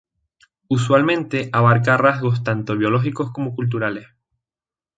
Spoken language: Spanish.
Usualmente abarca rasgos tanto biológicos como culturales.